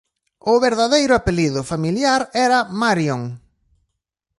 O verdadeiro apelido familiar era Marion.